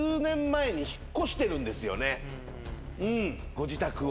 ご自宅を。